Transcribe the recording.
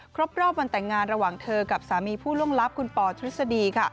ครบรอบวันแต่งงานระหว่างเธอกับสามีผู้ล่วงลับคุณปอทฤษฎีค่ะ